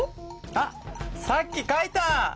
あっさっき書いた！